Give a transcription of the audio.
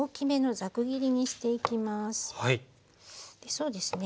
そうですね